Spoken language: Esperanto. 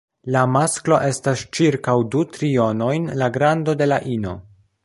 La masklo estas ĉirkaŭ du trionojn la grando de la ino.